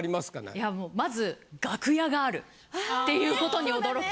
いやもうまず楽屋があるっていうことに驚き。